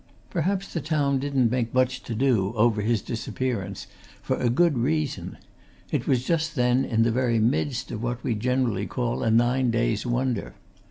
Perhaps the town didn't make much to do over his disappearance for a good reason it was just then in the very midst of what we generally call a nine days' wonder.